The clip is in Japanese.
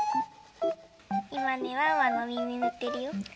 いまねワンワンのおみみぬってるよ。